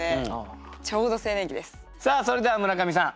さあそれでは村上さん